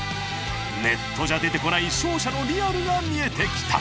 ネットじゃ出てこない商社のリアルが見えてきた！